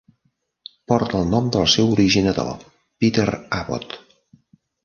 Porta el nom del seu originador, Peter Abbott.